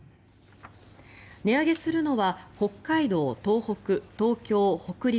値上げするのは北海道、東北、東京、北陸